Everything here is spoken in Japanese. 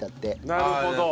なるほど。